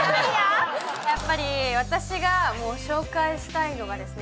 やっぱり私が紹介したいのがですね